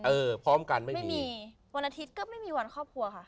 พร้อมกันไม่มีวันอาทิตย์ก็ไม่มีวันครอบครัวค่ะ